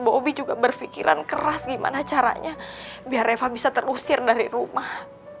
bobi juga berpikiran keras gimana caranya biar eva bisa terusir dari rumah